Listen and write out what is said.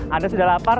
anda sudah lapar